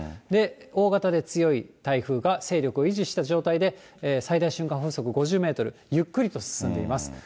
大型で強い台風が勢力を維持した状態で、最大瞬間風速５０メートル、ゆっくりと進んでいます。